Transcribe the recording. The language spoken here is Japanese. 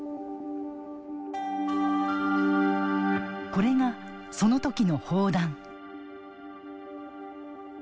これがその時の砲弾。